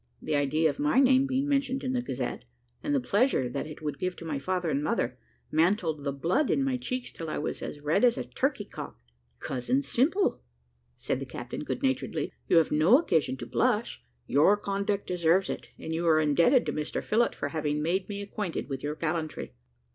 The idea of my name being mentioned in the Gazette, and the pleasure that it would give to my father and mother, mantled the blood in my cheeks till I was as red as a turkey cock. "Cousin Simple," said the captain, good naturedly, "you have no occasion to blush; your conduct deserves it; and you are indebted to Mr Phillott for having made me acquainted with your gallantry."